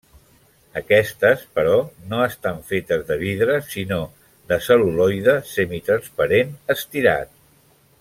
Aquestes, però, no estan fetes de vidre, sinó de cel·luloide semitransparent estirat.